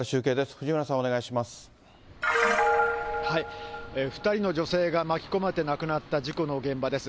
藤村さん、お願いしま２人の女性が巻き込まれて亡くなった事故の現場です。